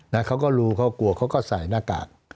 เขาก็รู้เขากลัวเขาก็ใส่หน้ากาก